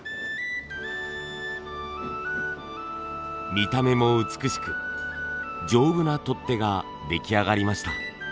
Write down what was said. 見た目も美しく丈夫な取っ手が出来上がりました。